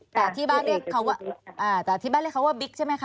แต่ที่บ้านเรียกเขาว่าแต่ที่บ้านเรียกเขาว่าบิ๊กใช่ไหมคะ